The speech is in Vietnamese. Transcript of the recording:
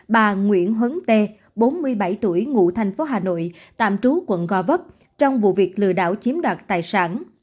bà nguyễn hứng t bốn mươi bảy tuổi ngụ thành phố hà nội tạm trú quận go vấp trong vụ việc lừa đảo chiếm đoạt tài sản